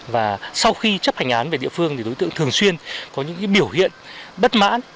và sau khi chấp hành án về địa phương thì đối tượng thường xuyên có những biểu hiện bất mãn